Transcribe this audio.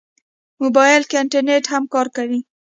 موبایل کې انټرنیټ هم کار کوي.